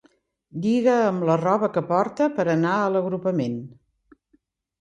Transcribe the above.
Lliga amb la roba que porta per anar a l'agrupament.